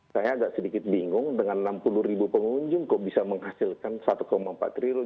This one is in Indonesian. saya agak sedikit bingung dengan enam puluh ribu pengunjung kok bisa menghasilkan satu empat triliun